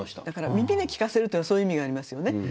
だから耳で聞かせるというのはそういう意味がありますよね。